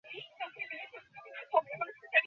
আজকাল তোমার সাথে বাইরে কোথাও যেতে লজ্জা লাগে।